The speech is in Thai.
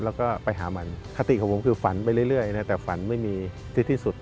แล้วก็ไปหามันคติของผมคือฝันไปเรื่อยนะแต่ฝันไม่มีที่สุด